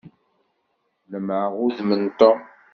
Lemmεeɣ udem n Tom.